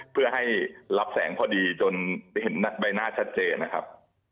เพื่อให้รับแสงพอดีจนได้เห็นใบหน้าชัดเจนนะครับ